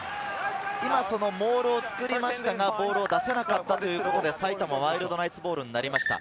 モールを作りましたがボールを出さなかったということで、埼玉ワイルドナイツボールになりました。